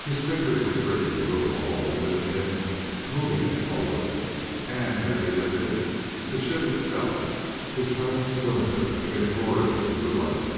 His fingers were gripping the little ball lifting it moving it forward.... And, as if he lifted the ship itself, the silent cylinder came roaring into life.